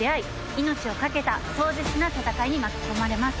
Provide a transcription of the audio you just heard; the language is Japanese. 命を懸けた壮絶な戦いに巻き込まれます。